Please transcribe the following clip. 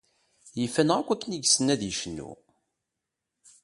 Yif-aneɣ akk akken i yessen ad yecnu.